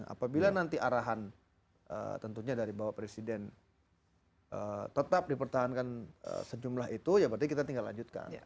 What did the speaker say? apabila nanti arahan tentunya dari bapak presiden tetap dipertahankan sejumlah itu ya berarti kita tinggal lanjutkan